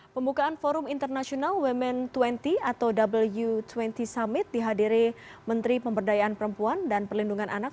pembukaan forum internasional women dua puluh atau w dua puluh summit dihadiri menteri pemberdayaan perempuan dan perlindungan anak